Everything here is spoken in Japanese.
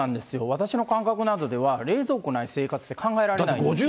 私の感覚などでは、冷蔵庫ない生活って考えられないじゃないですか。